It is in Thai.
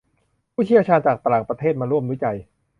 ผู้เชี่ยวชาญจากต่างประเทศมาร่วมวิจัย